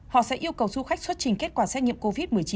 họ sẽ yêu cầu du khách xuất trình kết quả xét nghiệm covid một mươi chín